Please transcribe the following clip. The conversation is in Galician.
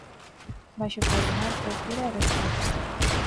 Baixo coordinar procura e rescate.